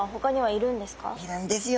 いるんですよ。